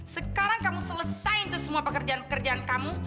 sekarang kamu selesain tuh semua pekerjaan pekerjaan kamu